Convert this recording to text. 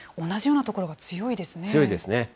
同じような所が強いですね。